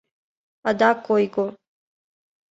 Адак ойго!